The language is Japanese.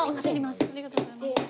ありがとうございます。